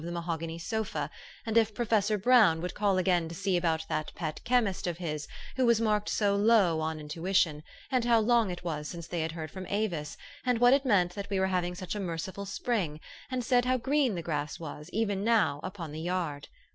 the mahogany sofa, and if Professor Brown would call again to see about that pet chemist of his who was marked so low on intuition, and how long it was since they had heard from Avis, and what it meant that we were having such a merciful spring, and said how green the grass was, even now, upon the yard.